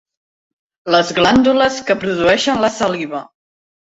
Les glàndules que produeixen la saliva.